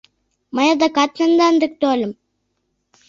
Мый адакат тендан дек тольым.